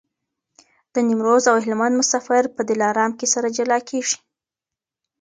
د نیمروز او هلمند مسافر په دلارام کي سره جلا کېږي.